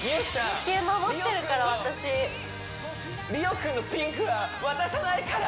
地球守ってるから私璃央君のピンクは渡さないから！